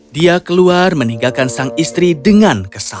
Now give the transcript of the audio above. dia keluar meninggalkan sang istri dengan kesal